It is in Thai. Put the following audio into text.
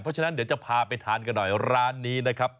เพราะฉะนั้นเดี๋ยวจะพาไปทานกันหน่อยร้านนี้นะครับ